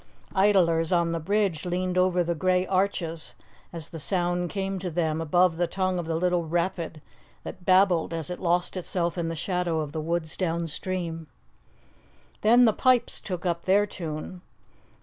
Idlers on the bridge leaned over the grey arches as the sound came to them above the tongue of the little rapid that babbled as it lost itself in the shadow of the woods downstream. Then the pipes took up their tune.